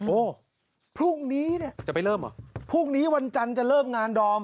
โอ้พรุ่งนี้เนี่ยจะไปเริ่มเหรอพรุ่งนี้วันจันทร์จะเริ่มงานดอม